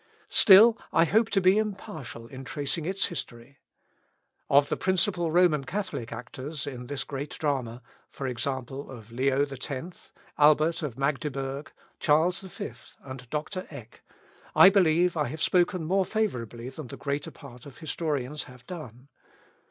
Still, I hope to be impartial in tracing its history. Of the principal Roman Catholic actors in this great drama for example, of Leo X, Albert of Magdeburg, Charles V, and Doctor Eck I believe I have spoken more favourably than the greater part of historians have done.